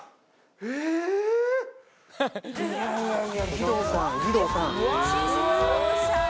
義堂さん義堂さん。